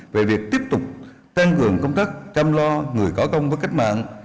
về việc tiếp tục tăng cường công tác chăm lo người có công với cách mạng